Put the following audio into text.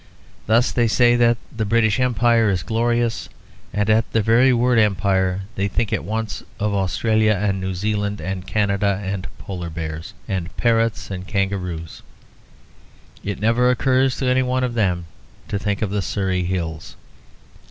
Thus they say that the British Empire is glorious, and at the very word Empire they think at once of Australia and New Zealand, and Canada, and Polar bears, and parrots and kangaroos, and it never occurs to any one of them to think of the Surrey Hills.